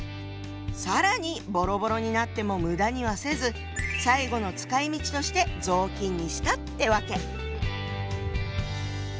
更にボロボロになっても無駄にはせず最後の使いみちとして雑巾にしたってわけ。